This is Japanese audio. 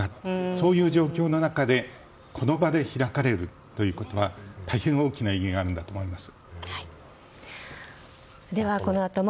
そういう状況の中でこの場で開かれるということは大変大きな意義があるんだと思います。